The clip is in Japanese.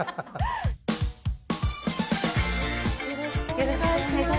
よろしくお願いします。